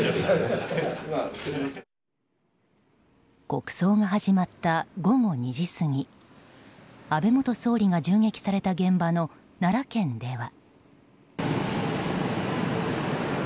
国葬が始まった午後２時過ぎ安倍元総理が銃撃された現場の奈良県では。